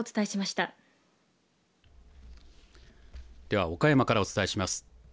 では岡山からお伝えします。